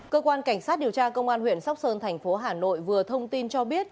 cơ quan cảnh sát điều tra công an huyện sóc sơn thành phố hà nội vừa thông tin cho biết